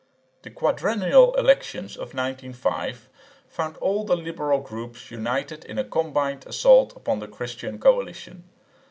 The quadrennial elections of 1905 found all the liberal groups united in a combined assault upon the Christian Coalition.